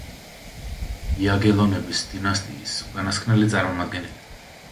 იაგელონების დინასტიის უკანასკნელი წარმომადგენელი.